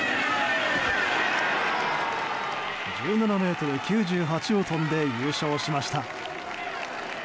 １７ｍ９８を跳んで優勝しました。